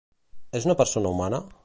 És una persona humana?